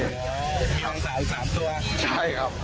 มีวังสาย๓ตัวครับใช่ครับ